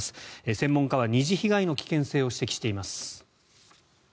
専門家は二次被害の危険性を指摘しています。